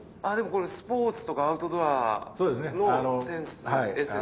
スポーツとかアウトドアの。